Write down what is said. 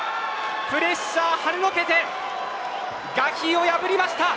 プレッシャーをはねのけてガヒーを破りました。